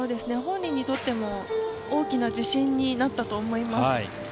本人にとっても大きな自信になったと思います。